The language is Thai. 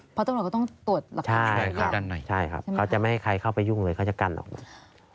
เพราะต้องก็ต้องตรวจหลักภาพใช่ไหมครับใช่ครับเขาจะไม่ให้ใครเข้าไปยุ่งเลยเขาจะกันออกมาหมด